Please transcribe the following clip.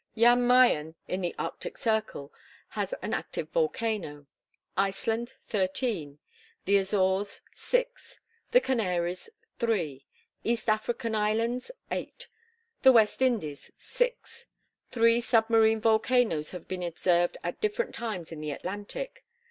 Jan Mayen, in the Arctic circle, has an active volcano; Iceland, thirteen; the Azores, six; the Canaries, three; east African islands, eight; the West Indies, six; three submarine volcanoes have been observed at different times in the Atlantic.